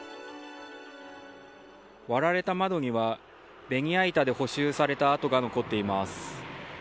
割られた窓にはベニヤ板で補修された跡が残っています。